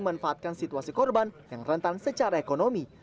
memanfaatkan situasi korban yang rentan secara ekonomi